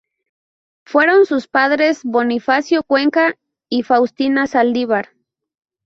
Fueron sus padres Bonifacio Cuenca y Faustina Saldívar.